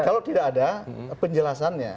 kalau tidak ada penjelasannya